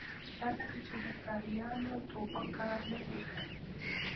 دا ځکه چې د ښکاریانو ټوپک کار نه دی کړی